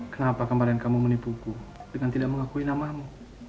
kenapa kemarin kamu menipuku dengan tidak mengakui namamu